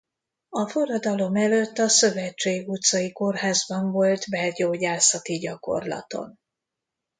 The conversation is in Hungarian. A forradalom előtt a Szövetség utcai kórházban volt belgyógyászati gyakorlaton.